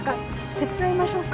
手伝いましょうか。